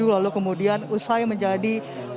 lalu kemudian saya menjadi